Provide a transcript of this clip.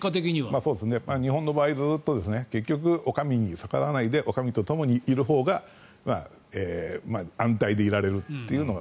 そうですね、日本の場合結局、お上に逆らわないでお上とともにいるほうが安泰でいられるっていうのが。